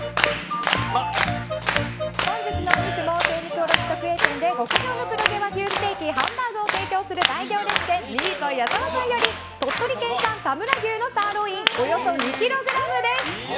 本日のお肉も精肉卸直営店で極上の黒毛和牛ステーキハンバーグを提供する大行列店ミート矢澤さんより鳥取県産田村牛のサーロインおよそ２ｋｇです。